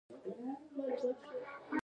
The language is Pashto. څلورم ماموریت وروسته فضايي سفر ودرېږي